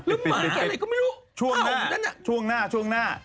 หรือหมาอะไรก็ไม่รู้อ้าวเหมือนกันน่ะช่วงหน้าช่วงหน้า